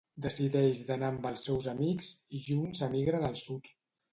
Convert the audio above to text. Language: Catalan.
Decideix d'anar amb els seus amics, i junts emigren al sud.